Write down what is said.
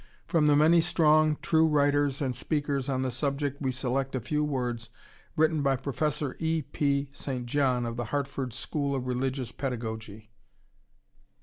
From the many strong, true writers and speakers on this subject we select a few words written by Professor E. P. St. John of the Hartford School of Religious Pedagogy.